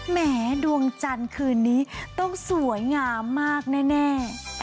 แหมดวงจันทร์คืนนี้ต้องสวยงามมากแน่